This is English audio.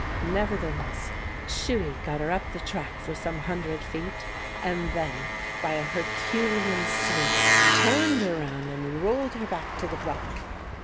Nevertheless, Shuey got her up the track for some hundred feet, and then by a herculean sweep turned her round and rolled her back to the block.